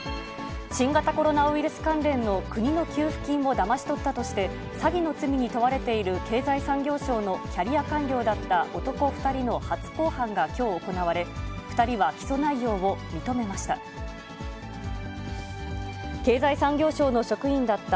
新型コロナウイルス関連の国の給付金をだまし取ったとして、詐欺の罪に問われている経済産業省のキャリア官僚だった男２人の初公判がきょう行われ、２人は起訴内容を認めました。